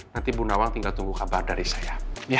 nanti bu nawang tinggal tunggu kabar dari saya